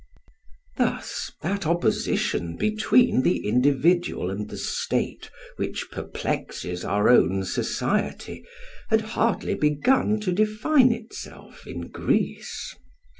Thus that opposition between the individual and the state which perplexes our own society had hardly begun to define itself in Greece.